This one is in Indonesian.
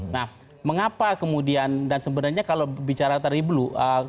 nah mengapa kemudian dan sebenarnya kalau bicara dari blu